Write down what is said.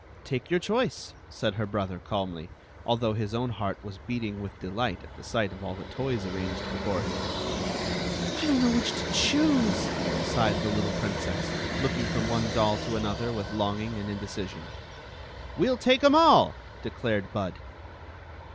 " "Take your choice," said her brother, calmly, although his own heart was beating with delight at the sight of all the toys arranged before him. " I don't know which to choose," sighed the little princess, looking from one doll to another with long ing and indecision. " We '11 take 'em all," declared Bud.